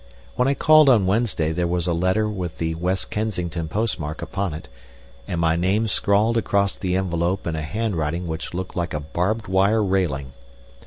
When I called on Wednesday there was a letter with the West Kensington postmark upon it, and my name scrawled across the envelope in a handwriting which looked like a barbed wire railing.